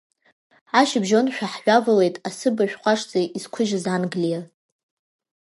Ашьыбжьоншәа ҳҩавалеит асышәыб ҟәашӡа изқәыжьыз Англиа.